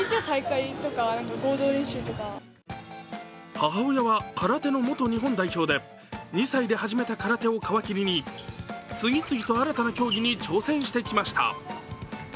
母親は空手の元日本代表で２歳で始めた空手を皮切りに次々と新たな競技に挑戦してきました。